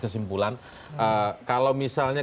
kesimpulan kalau misalnya